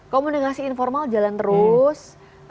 komunikasi informal jalan terus